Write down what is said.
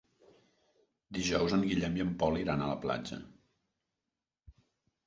Dijous en Guillem i en Pol iran a la platja.